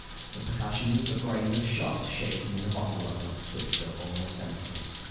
The percussions of a grain of shot shaken in a bottle are not swifter or more senseless.